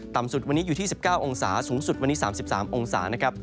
สุดวันนี้อยู่ที่๑๙องศาสูงสุดวันนี้๓๓องศานะครับ